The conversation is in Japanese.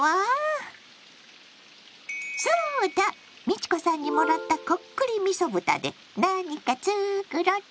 美智子さんにもらった「こっくりみそ豚」で何か作ろっと！